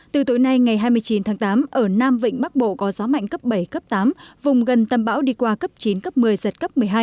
từ tối nay ngày hai mươi chín tháng tám ở nam vịnh bắc bộ có gió mạnh cấp bảy cấp tám vùng gần tâm bão đi qua cấp chín cấp một mươi giật cấp một mươi hai